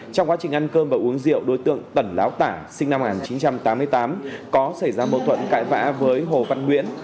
trong quá trình ăn cơm và uống rượu đối tượng tẩn láo tả sinh năm một nghìn chín trăm tám mươi tám có xảy ra mâu thuẫn cãi vã với hồ văn nguyễn